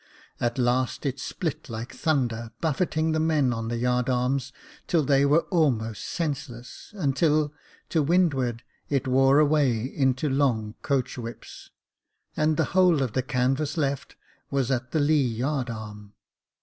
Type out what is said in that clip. At last it split like thunder, buffeting the men on the yard arms, till they were almost senseless, until to windward it wore away into long coach whips, and the whole of the canvas left was at the lee yard arm.